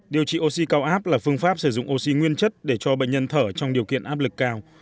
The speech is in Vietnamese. điều trị oxy cao áp là phương pháp sử dụng oxy nguyên chất để cho bệnh nhân thở trong điều kiện áp lực cao